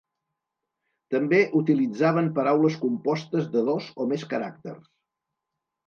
També utilitzaven paraules compostes de dos o més caràcters.